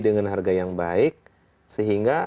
dengan harga yang baik sehingga